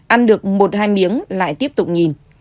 ăn được một hai miếng lại tiếp tục nhìn